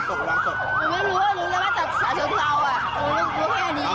ไม่รู้รู้จักว่าจัดสถานการณ์เรามันแค่นี้